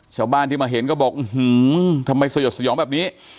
ชาวบ้านที่มาเห็นก็บอกอื้อหือทำไมสยดสยองแบบนี้